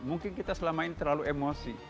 mungkin kita selama ini terlalu emosi